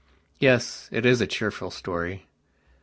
Yes, it is a cheerful story....